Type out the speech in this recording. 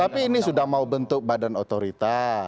tapi ini sudah mau bentuk badan otorita